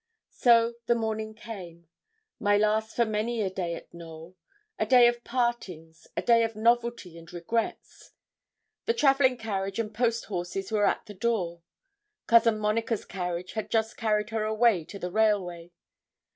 So the morning came my last for many a day at Knowl a day of partings, a day of novelty and regrets. The travelling carriage and post horses were at the door. Cousin Monica's carriage had just carried her away to the railway.